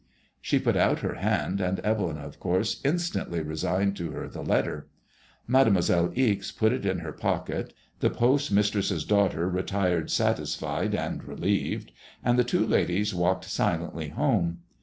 She put out her hand, and Evelyn, of course, instantly re signed to her the letter. Made moiselle Ixe put it in her pocket, the post mistress's daughter re tired satisfied and relieved, and the two ladies walked silently home.